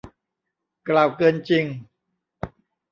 กล่าวเกินจริง